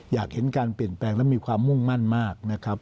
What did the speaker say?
อยากเห็นการเปลี่ยนแปลงและมีความมุ่งมั่นมากนะครับ